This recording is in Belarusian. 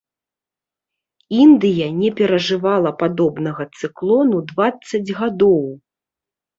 Індыя не перажывала падобнага цыклону дваццаць гадоў.